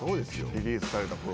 リリースされた頃。